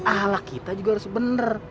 ahlak kita juga harus benar